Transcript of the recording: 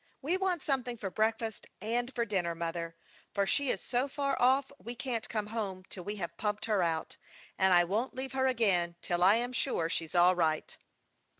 We want something for breakfast and for dinner, mother, for she is so far off we can't come home till we have pumped her out ; and I won't leave her again till I am sure she's all right."